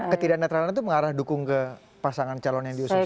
ketidaknetralan itu mengarah dukung ke pasangan calon yang diusung siapa